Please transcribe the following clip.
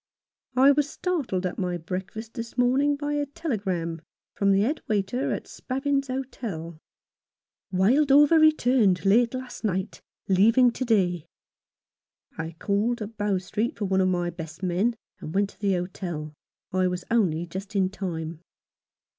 I was startled at my breakfast this morning by a telegram from the head waiter at Spavins's Hotel :— "Wildover returned late last night. Leaving to day." I called at Bow Street for one of my best men, and went to the hotel. I was only just in time.